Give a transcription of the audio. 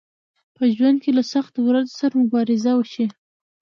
په ژوند کې له سختو ورځو سره مبارزه وشئ